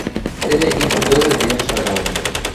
Тӹве ик кӹтӧзӹ кӹньӹл шагалын.